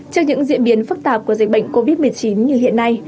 trước những diễn biến phức tạp của dịch bệnh covid một mươi chín như hiện nay